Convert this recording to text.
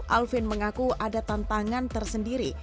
alvin mengaku ada tantangan tersendiri